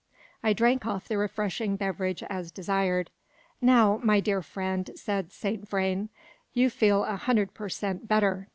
I drank off the refreshing beverage as desired. "Now, my dear friend," said Saint Vrain, "you feel a hundred per cent, better!